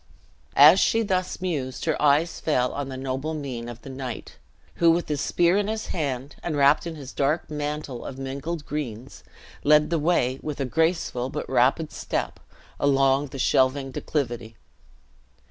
As she thus mused her eyes fell on the noble mien of the knight, who, with his spear in his hand, and wrapped in his dark mantle of mingled greens, led the way, with a graceful but rapid step, along the shelving declivity.